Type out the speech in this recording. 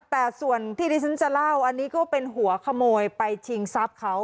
แต่ส่วนที่ที่ฉันจะเล่าอันนี้ก็เป็นหัวขโมยไปชิงทรัพย์เขา